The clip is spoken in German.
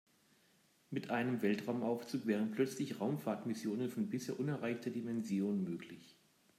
Mit einem Weltraumaufzug wären plötzlich Raumfahrtmissionen von bisher unerreichter Dimension möglich.